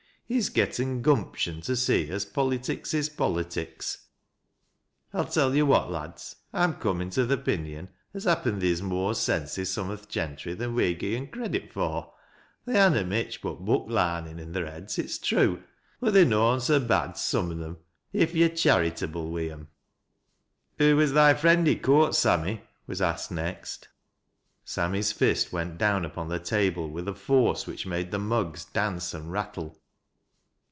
He's getten gumption to see as pollytics is pollytics. I'll tell yo' what, lads, I'n: oomin' to th' opinion as happen theer's more sense i' some u' th' gentry than we gi' em credit fur ; they ha' not mich but hook larnin i' their heads, it's true, but they're noan so bad — some on 'em — if yo're charytable wi' 'em." "Who was thy friend i' coort, Sammy?" was asked next. Sammy's fist went down upon the table with a forco which made the mugs dance and rattle.